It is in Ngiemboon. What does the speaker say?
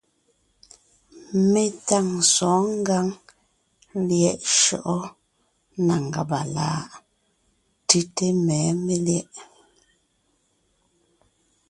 Mé tâŋ sɔ̌ɔn ngǎŋ lyɛ̌ʼ shyɔ́ʼɔ na ngàba láʼ? Tʉ́te mɛ̌ melyɛ̌ʼ.